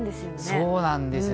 そうなんです。